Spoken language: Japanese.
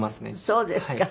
そうですか。